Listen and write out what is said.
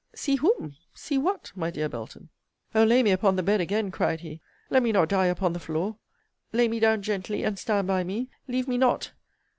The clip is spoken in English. See whom, see what, my dear Belton! O lay me upon the bed again, cried he! Let me not die upon the floor! Lay me down gently; and stand by me! Leave me not!